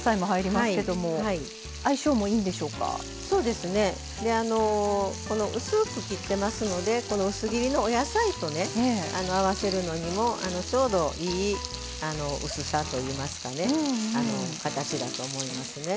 であの薄く切ってますのでこの薄切りのお野菜とね合わせるのにもちょうどいい薄さといいますかね形だと思いますね。